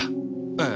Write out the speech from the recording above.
ええ。